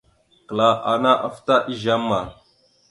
Kəla ana aftá izeama.